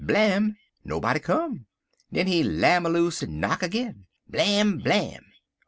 blam! Nobody come. Den he lam aloose en knock 'gin blim! blim!